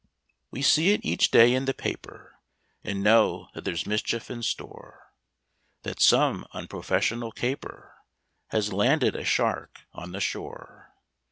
We see it each day in the paper, And know that there's mischief in store; That some unprofessional caper Has landed a shark on the shore.